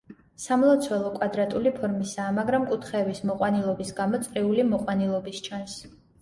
სამლოცველო კვადრატული ფორმისაა, მაგრამ კუთხეების მოყვანილობის გამო წრიული მოყვანილობის ჩანს.